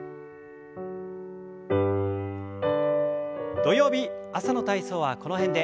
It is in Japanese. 土曜日朝の体操はこの辺で。